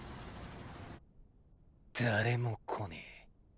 誰も来ねえ。